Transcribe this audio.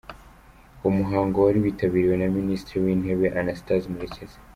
Uwo muhango wari witabiriwe na Minisitiri w’Intebe, Anastase Murekezi.